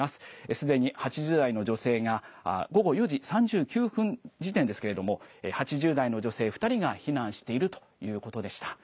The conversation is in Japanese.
すでに８０代の女性が午後４時３９分時点ですけれども８０代の女性２人が避難しているということでした。